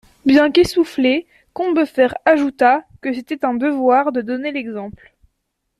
Bien qu'essoufflé, Combeferre ajouta que c'était un devoir de donner l'exemple.